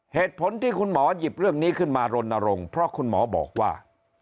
เหตุผลที่คุณหมอหยิบเรื่องนี้ขึ้นมารณรงค์เพราะคุณหมอบอกว่า